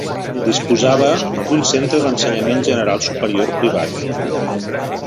Disposava d'un centre d'ensenyament general superior privat.